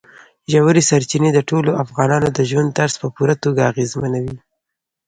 ژورې سرچینې د ټولو افغانانو د ژوند طرز په پوره توګه اغېزمنوي.